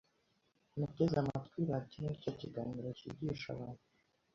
Nateze amatwi radio cya kiganiro kigisha abantu